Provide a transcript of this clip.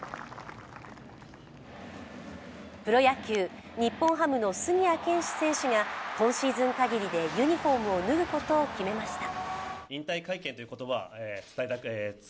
プロ野球、日本ハムの杉谷拳士選手が今シーズン限りでユニフォームを脱ぐことを決めました。